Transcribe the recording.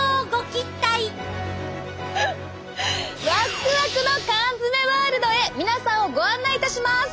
ワクワクの缶詰ワールドへ皆さんをご案内いたします。